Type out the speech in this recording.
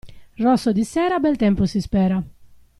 Rosso di sera bel tempo si spera.